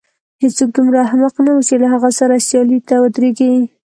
هېڅوک دومره احمق نه و چې له هغه سره سیالۍ ته ودرېږي.